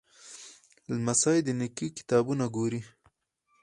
لمسی د نیکه کتابونه ګوري.